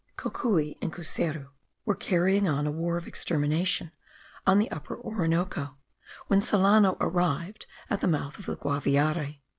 Cocuy and Cuseru were carrying on a war of extermination on the Upper Orinoco when Solano arrived at the mouth of the Guaviare.